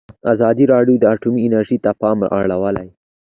ازادي راډیو د اټومي انرژي ته پام اړولی.